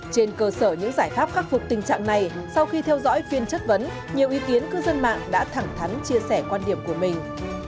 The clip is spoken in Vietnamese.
trên cơ sở những giải pháp khắc phục tình trạng này sau khi theo dõi phiên chất vấn nhiều ý kiến cư dân mạng đã thẳng thắn chia sẻ quan điểm của mình